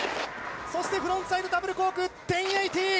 そしてフロントサイドダブルコーク１０８０。